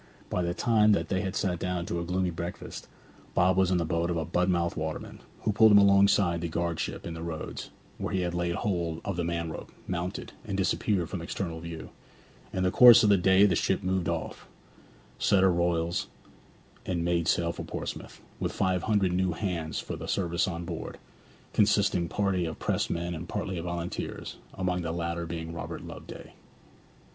By the time that they had sat down to a gloomy breakfast, Bob was in the boat of a Budmouth waterman, who pulled him alongside the guardship in the roads, where he laid hold of the man rope, mounted, and disappeared from external view. In the course of the day the ship moved off, set her royals, and made sail for Portsmouth, with five hundred new hands for the service on board, consisting partly of pressed men and partly of volunteers, among the latter being Robert Loveday.